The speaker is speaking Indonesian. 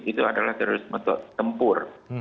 itu adalah terorisme tempur